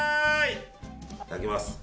いただきます。